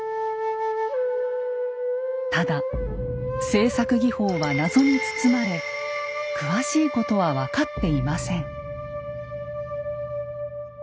ただ製作技法は謎に包まれ詳しいことは分かっていません。